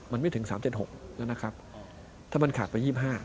มันไม่ถึง๓๗๖แล้วนะครับถ้ามันขาดไป๒๕